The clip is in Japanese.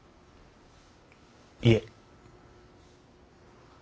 いえ。